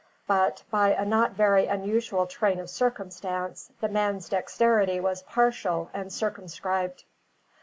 But by a not very unusual train of circumstance, the man's dexterity was partial and circumscribed.